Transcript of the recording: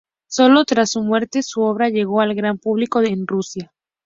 Solo tras su muerte su obra llegó al gran público en Rusia.